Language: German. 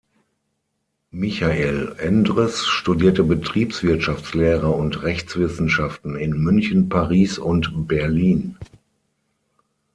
Michael Endres studierte Betriebswirtschaftslehre und Rechtswissenschaften in München, Paris und Berlin.